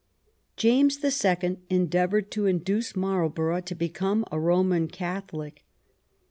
James the Second endeavored to in duce Marlborough to become a Roman Catholic.